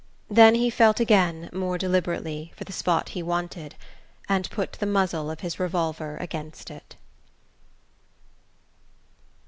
Then he felt again, more deliberately, for the spot he wanted, and put the muzzle of his revolver against it.